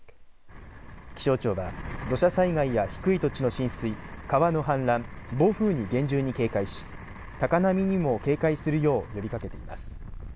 気象庁は土砂災害や低い土地の浸水、川の氾濫、暴風に厳重に警戒し高波にも警戒するよう呼びかけています。